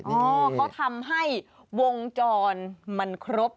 เขาทำให้วงจรมันครบ